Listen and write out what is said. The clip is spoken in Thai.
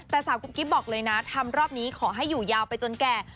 แต่สาวกุ๊กกิ๊บบอกเลยนะทำรอบนี้ขอให้อยู่ยาวไปจนแก่